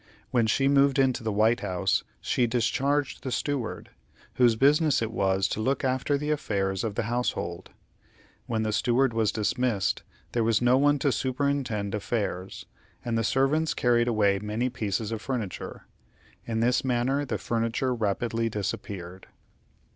When she moved into the White House, she discharged the Steward, whose business it was to look after the affairs of the household. When the Steward was dismissed, there was no one to superintend affairs, and the servants carried away many pieces of furniture. In this manner the furniture rapidly disappeared.